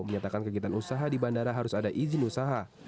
menyatakan kegiatan usaha di bandara harus ada izin usaha